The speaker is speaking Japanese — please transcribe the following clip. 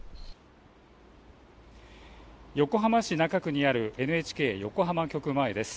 横浜市中区にあるＮＨＫ横浜局前です。